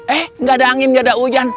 eh gak ada angin nggak ada hujan